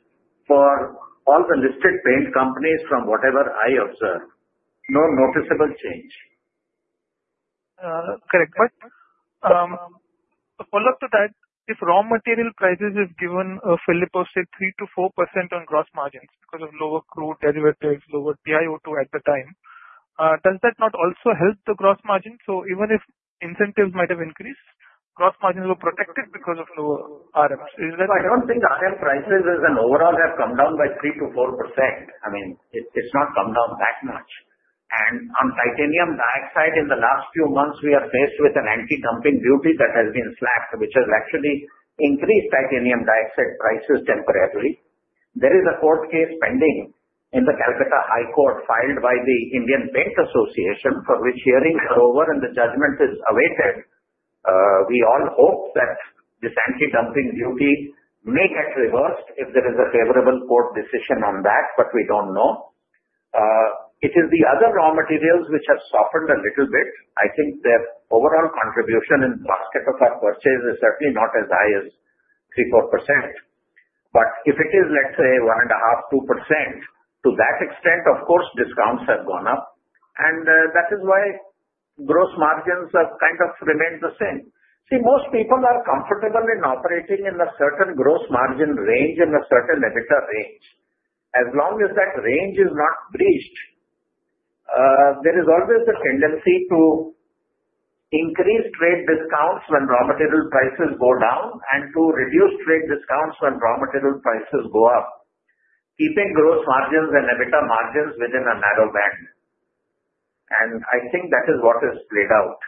for all the listed paint companies from whatever I observed. No noticeable change. Correct. But to follow up to that, if raw material prices have given a fillip to 3% to 4% on gross margins because of lower crude derivatives, lower TiO2 at the time, does that not also help the gross margin? So even if incentives might have increased, gross margins were protected because of lower RMs. Is that? I don't think RM prices as an overall have come down by 3% to 4%. I mean, it's not come down that much. And on titanium dioxide, in the last few months, we are faced with an anti-dumping duty that has been slapped, which has actually increased titanium dioxide prices temporarily. There is a court case pending in the Calcutta High Court filed by the Indian Paint Association, for which hearings are over, and the judgment is awaited. We all hope that this anti-dumping duty may get reversed if there is a favorable court decision on that, but we don't know. It is the other raw materials which have softened a little bit. I think their overall contribution in the basket of our purchase is certainly not as high as 3% to 4%. But if it is, let's say, 1.5% to 2%, to that extent, of course, discounts have gone up. And that is why gross margins have kind of remained the same. See, most people are comfortable in operating in a certain gross margin range and a certain EBITDA range. As long as that range is not breached, there is always a tendency to increase trade discounts when raw material prices go down and to reduce trade discounts when raw material prices go up, keeping gross margins and EBITDA margins within a narrow band. And I think that is what has played out.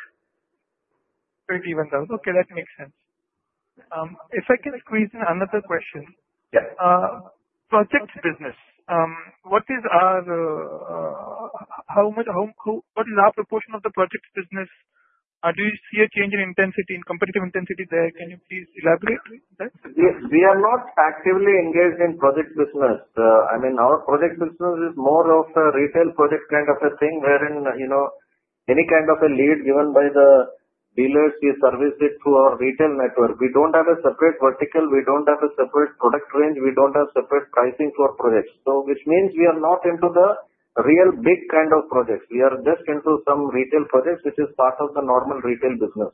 Very few ones out. Okay, that makes sense. If I can squeeze in another question. Yeah. Project business. What is our proportion of the project business? Do you see a change in intensity, in competitive intensity there? Can you please elaborate that? Yes. We are not actively engaged in project business. I mean, our project business is more of a retail project kind of a thing wherein any kind of a lead given by the dealers, we service it through our retail network. We don't have a separate vertical. We don't have a separate product range. We don't have separate pricing for projects, which means we are not into the real big kind of projects. We are just into some retail projects, which is part of the normal retail business.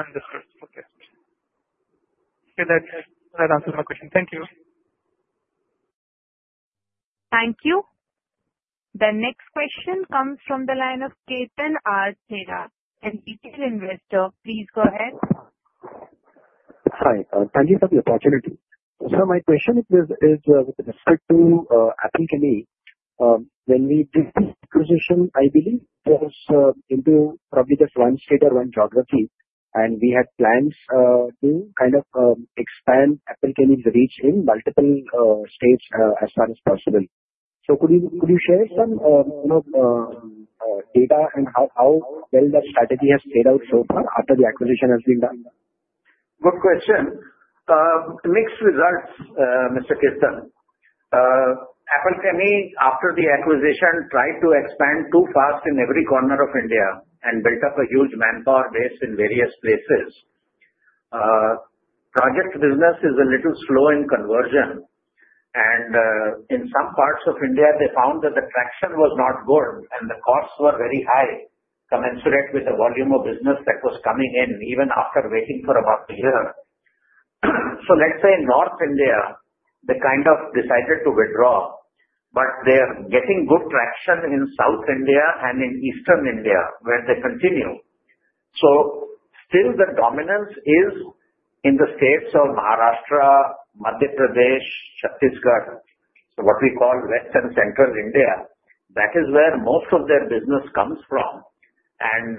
Understood. Okay. So that answers my question. Thank you. Thank you. The next question comes from the line of Ketan R. Thaker from Ketan & Co., please go ahead. Hi. Thank you for the opportunity. So my question is with respect to Apple Chemie. When we did this acquisition, I believe there was into probably just one state or one geography, and we had plans to kind of expand Apple Chemie's reach in multiple states as far as possible. So could you share some data and how well that strategy has played out so far after the acquisition has been done? Good question. Mixed results, Mr. Ketan. Apple Chemie, after the acquisition, tried to expand too fast in every corner of India and built up a huge manpower base in various places. Project business is a little slow in conversion, and in some parts of India, they found that the traction was not good, and the costs were very high, commensurate with the volume of business that was coming in, even after waiting for about a year, so let's say in North India, they kind of decided to withdraw, but they are getting good traction in South India and in Eastern India, where they continue, so still, the dominance is in the states of Maharashtra, Madhya Pradesh, Chhattisgarh, what we call Western Central India. That is where most of their business comes from. And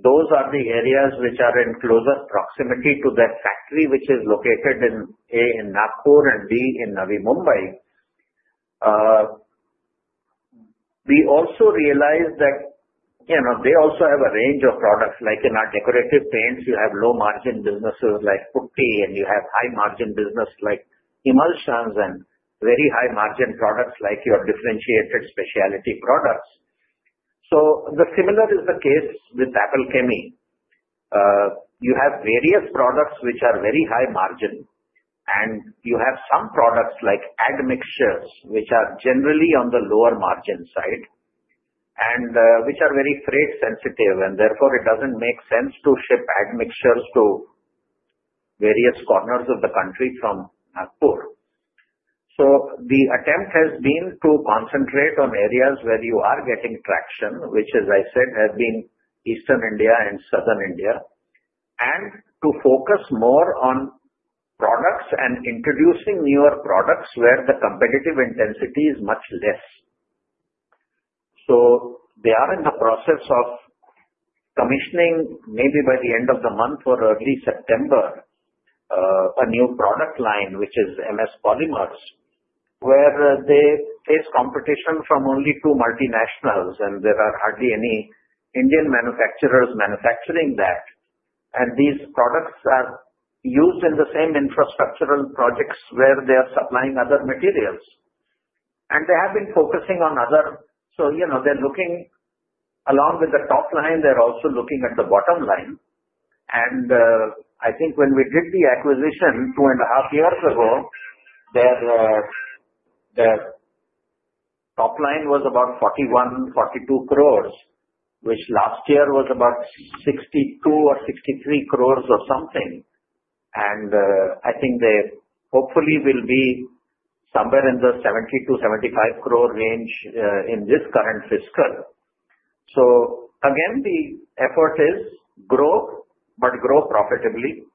those are the areas which are in closer proximity to their factory, which is located in A in Nagpur, and B in Navi Mumbai. We also realized that they also have a range of products. Like in our decorative paints, you have low-margin businesses like putty, and you have high-margin business like emulsions and very high-margin products like your differentiated specialty products. So similar is the case with Apple Chemie. You have various products which are very high margin, and you have some products like admixtures, which are generally on the lower margin side and which are very freight sensitive. And therefore, it doesn't make sense to ship admixtures to various corners of the country from Nagpur. So the attempt has been to concentrate on areas where you are getting traction, which, as I said, have been Eastern India and Southern India, and to focus more on products and introducing newer products where the competitive intensity is much less. So they are in the process of commissioning, maybe by the end of the month or early September, a new product line, which is MS Polymers, where they face competition from only two multinationals, and there are hardly any Indian manufacturers manufacturing that. And these products are used in the same infrastructural projects where they are supplying other materials. And they have been focusing on other. So they're looking along with the top line, they're also looking at the bottom line. I think when we did the acquisition two and a half years ago, their top line was about 41, 42 crores, which last year was about 62, 63 crores or something. I think they hopefully will be somewhere in the 70 to 75 crore range in this current fiscal. So again, the effort is grow, but grow profitably.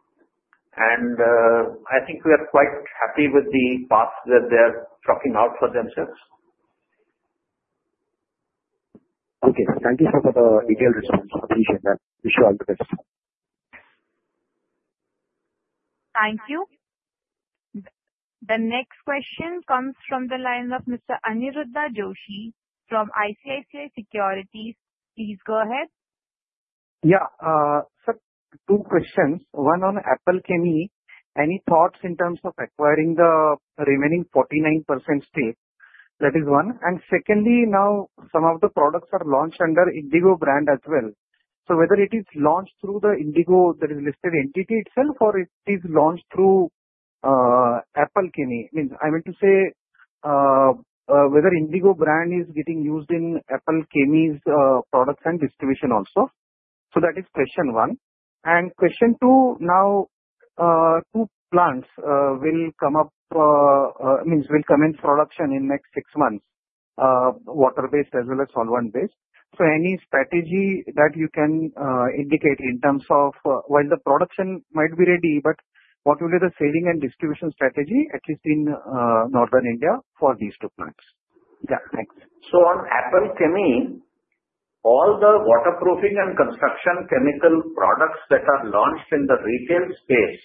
I think we are quite happy with the path that they're chalking out for themselves. Okay. Thank you for the detailed response. I appreciate that. Wish you all the best. Thank you. The next question comes from the line of Mr. Aniruddha Joshi from ICICI Securities. Please go ahead. Yeah. So two questions. One on Apple Chemie. Any thoughts in terms of acquiring the remaining 49% stake? That is one. And secondly, now some of the products are launched under Indigo brand as well. So whether it is launched through the Indigo that is listed entity itself or it is launched through Apple Chemie, I mean, I meant to say whether Indigo brand is getting used in Apple Chemie's products and distribution also. So that is question one. And question two, now two plants means will come in production in next six months, water-based as well as solvent-based. So any strategy that you can indicate in terms of while the production might be ready, but what will be the selling and distribution strategy, at least in northern India, for these two plants? Yeah. Thanks. On Apple Chemie, all the waterproofing and construction chemical products that are launched in the retail space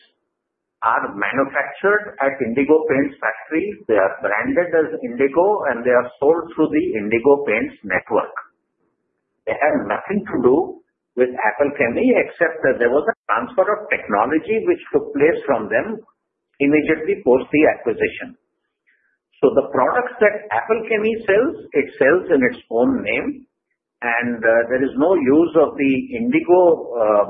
are manufactured at Indigo Paints factory. They are branded as Indigo, and they are sold through the Indigo Paints network. They have nothing to do with Apple Chemie except that there was a transfer of technology which took place from them immediately post the acquisition. So the products that Apple Chemie sells, it sells in its own name, and there is no use of the Indigo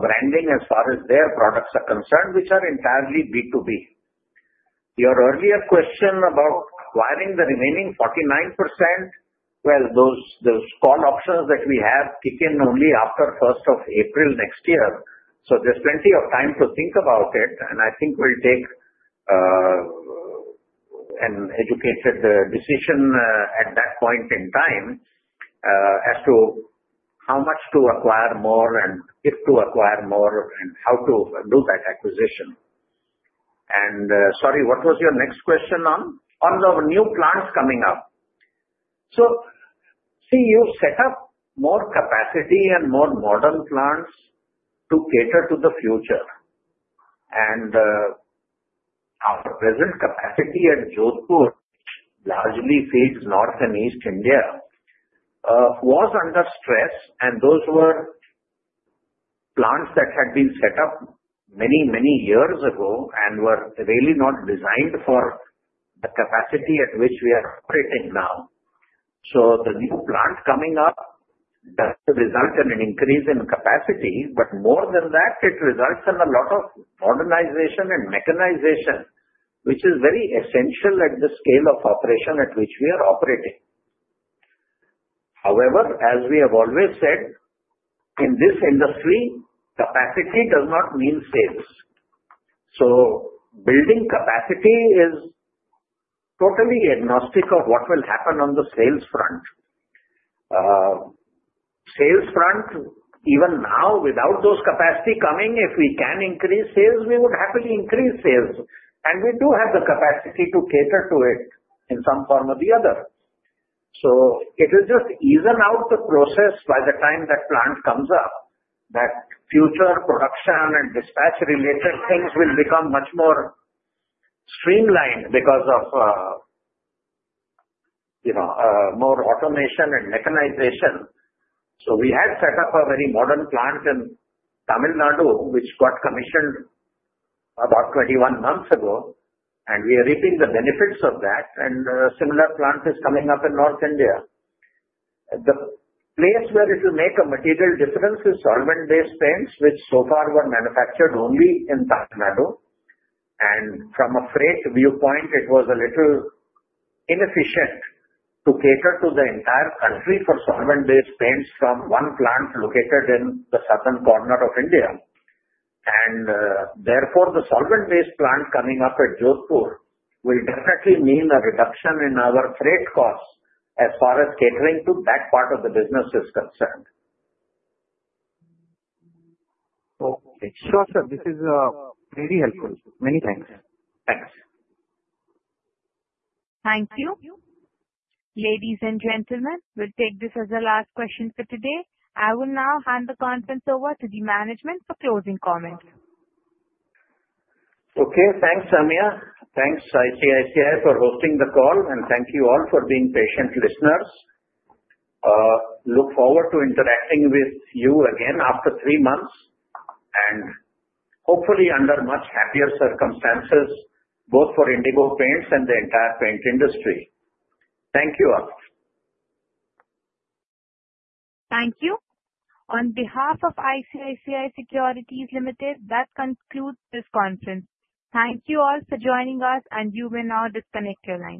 branding as far as their products are concerned, which are entirely B2B. Your earlier question about acquiring the remaining 49%, well, those call options that we have kick in only after 1st of April next year. So there's plenty of time to think about it, and I think we'll take an educated decision at that point in time as to how much to acquire more and if to acquire more and how to do that acquisition. And sorry, what was your next question on? On the new plants coming up. So see, you've set up more capacity and more modern plants to cater to the future. And our present capacity at Jodhpur, which largely feeds North and East India, was under stress, and those were plants that had been set up many, many years ago and were really not designed for the capacity at which we are operating now. So the new plant coming up does result in an increase in capacity, but more than that, it results in a lot of modernization and mechanization, which is very essential at the scale of operation at which we are operating. However, as we have always said, in this industry, capacity does not mean sales. So building capacity is totally agnostic of what will happen on the sales front. Sales front, even now, without those capacity coming, if we can increase sales, we would happily increase sales. And we do have the capacity to cater to it in some form or the other. So it will just ease out the process by the time that plant comes up. That future production and dispatch-related things will become much more streamlined because of more automation and mechanization. So we had set up a very modern plant in Tamil Nadu, which got commissioned about 21 months ago, and we are reaping the benefits of that. And a similar plant is coming up in North India. The place where it will make a material difference is solvent-based paints, which so far were manufactured only in Tamil Nadu. And from a freight viewpoint, it was a little inefficient to cater to the entire country for solvent-based paints from one plant located in the southern corner of India. And therefore, the solvent-based plant coming up at Jodhpur will definitely mean a reduction in our freight costs as far as catering to that part of the business is concerned. Okay. Sure, sir. This is very helpful. Many thanks. Thanks. Thank you. Ladies and gentlemen, we'll take this as the last question for today. I will now hand the conference over to the management for closing comments. Okay. Thanks, Samia. Thanks, ICICI, for hosting the call, and thank you all for being patient listeners. Look forward to interacting with you again after three months and hopefully under much happier circumstances, both for Indigo Paints and the entire paint industry. Thank you all. Thank you. On behalf of ICICI Securities Limited, that concludes this conference. Thank you all for joining us, and you may now disconnect your lines.